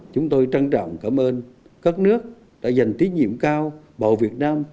chúng tôi trân trọng cảm ơn các nước đã dành tí nhiệm cao bảo việt nam